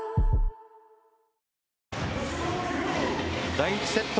第１セット